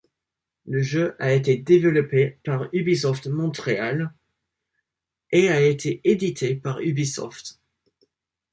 Le jeu a été développé par Ubisoft Montréal et a été édité par Ubisoft.